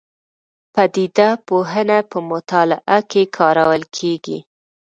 پدیده پوهنه په مطالعه کې کارول کېږي.